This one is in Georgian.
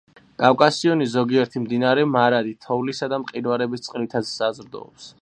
კავკასიონის ზოგიერთი მდინარე მარადი თოვლისა და მყინვარების წყლითაც საზრდოობს.